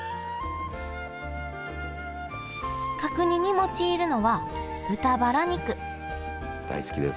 角煮に用いるのは豚バラ肉大好きです。